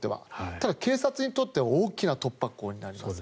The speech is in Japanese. ただ警察にとっては大きな突破口になりますね。